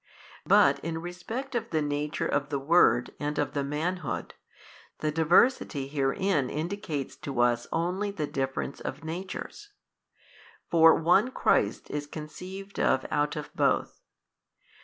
But in respect of the Nature of the Word and of the Manhood, the diversity herein indicates to us only the difference [of natures]. For One Christ is conceived of out of both.